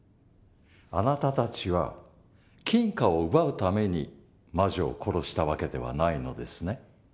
あなたたちは金貨を奪うために魔女を殺した訳ではないのですね？